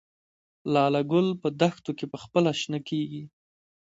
لاله ګل په دښتو کې پخپله شنه کیږي؟